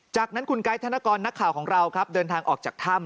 จากนั้นคุณไกด์ธนกรนักข่าวของเราครับเดินทางออกจากถ้ำ